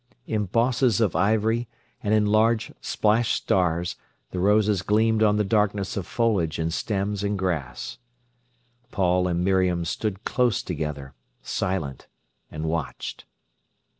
In bosses of ivory and in large splashed stars the roses gleamed on the darkness of foliage and stems and grass. Paul and Miriam stood close together, silent, and watched.